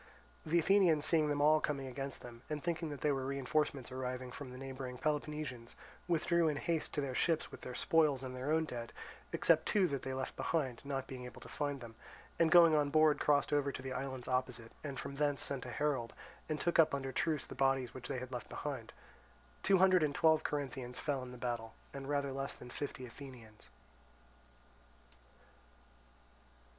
The Athenians seeing them all coming against them, and thinking that they were reinforcements arriving from the neighbouring Peloponnesians, withdrew in haste to their ships with their spoils and their own dead, except two that they left behind, not being able to find them, and going on board crossed over to the islands opposite, and from thence sent a herald, and took up under truce the bodies which they had left behind. Two hundred and twelve Corinthians fell in the battle, and rather less than fifty Athenians.